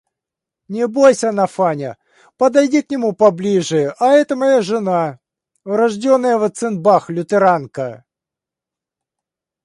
Не бойся, Нафаня! Подойди к нему поближе... А это моя жена, урожденная Ванценбах... лютеранка.